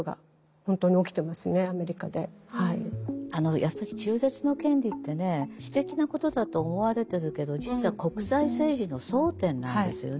やっぱり中絶の権利ってね私的なことだと思われてるけど実は国際政治の争点なんですよね。